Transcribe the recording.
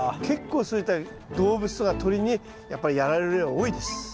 結構そういった動物とか鳥にやっぱりやられる例は多いです。